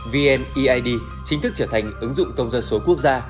vneid chính thức trở thành ứng dụng công dân số quốc gia